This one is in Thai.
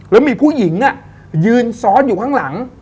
แล้วมีผู้หญิงยืนซ้อนอยู่ข้างหลัง